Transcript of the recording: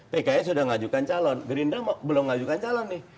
pks sudah ngajukan calon gerindra belum ngajukan calon nih